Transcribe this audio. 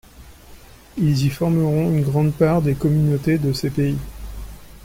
Ils y formeront une grande part des communautés de ces pays.